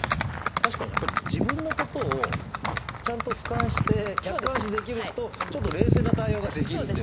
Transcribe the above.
確かにやっぱり自分のことをちゃんと俯瞰して客観視できるとちょっと冷静な対応ができるっていうかね